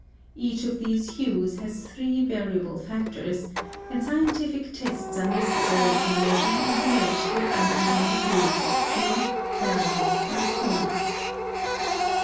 Each of these hues has three variable factors (see page 14, paragraph 14), and scientific tests are necessary to measure and relate their uneven degrees of Hue, Value, and Chroma.